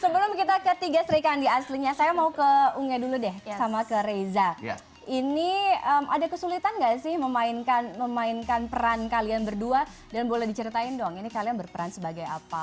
sebelum kita ke tiga serikandi aslinya saya mau ke unge dulu deh sama ke reza ini ada kesulitan gak sih memainkan peran kalian berdua dan boleh diceritain dong ini kalian berperan sebagai apa